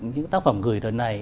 những tác phẩm gửi lần này